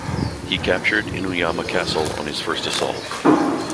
He captured Inuyama Castle on his first assault.